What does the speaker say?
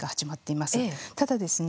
ただですね